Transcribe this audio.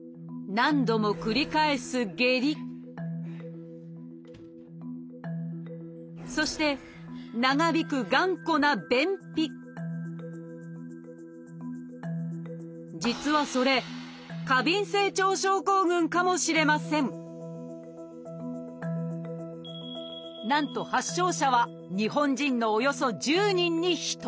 何度も繰り返すそして長引く頑固な実はそれ「過敏性腸症候群」かもしれませんなんと発症者は日本人のおよそ１０人に１人。